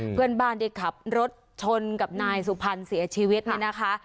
เพื่อนบ้านที่ขับรถชนกับนายสุพรรณเสียชีวิตเนี่ยนะคะ